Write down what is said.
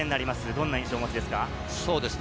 どんな印象をお持ちですか？